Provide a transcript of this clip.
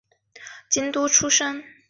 桂昌院在宽永元年于京都出生。